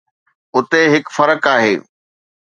اتي هڪ فرق آهي.